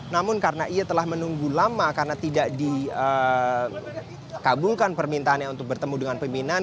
namun karena ia telah menunggu lama karena tidak dikabungkan permintaannya untuk bertemu dengan peminan